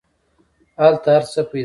هلته هر څه پیدا کیږي.